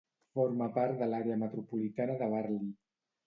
Forma part de l'àrea metropolitana de Burley.